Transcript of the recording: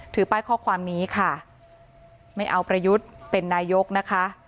ถือป้ายข้อความนี้ค่ะไม่เอาประยุทธ์เป็นนายกนะคะ